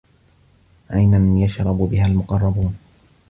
عَينًا يَشرَبُ بِهَا المُقَرَّبونَ